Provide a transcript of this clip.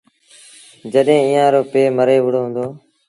جڏهيݩ ايٚئآن رو پي مري وُهڙو هُݩدو۔